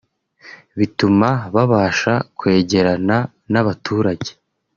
bituma babasha kwegerana n’abaturage